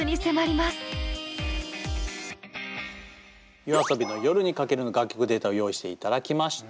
ＹＯＡＳＯＢＩの「夜に駆ける」の楽曲データを用意していただきました。